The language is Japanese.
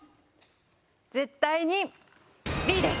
絶対にＢです。